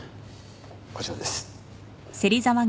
こちらです。